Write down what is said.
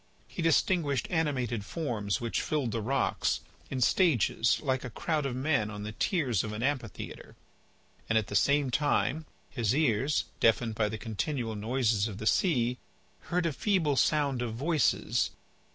He distinguished animated forms which filled the rocks, in stages, like a crowd of men on the tiers of an amphitheatre. And at the same time, his ears, deafened by the continual noises of the sea, heard a feeble sound of voices.